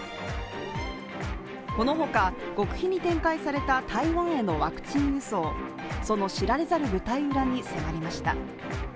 このほか、極秘に展開された台湾へのワクチン輸送、その知られざる舞台裏に迫りました。